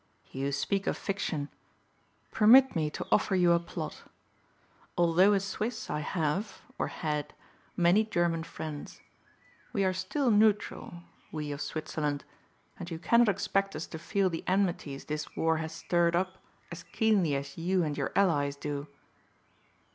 You speak of fiction. Permit me to offer you a plot. Although a Swiss I have, or had, many German friends. We are still neutral, we of Switzerland, and you cannot expect us to feel the enmities this war has stirred up as keenly as you and your allies do."